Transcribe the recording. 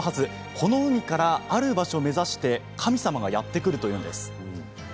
この海から、ある場所目指して神様がやって来るというんです。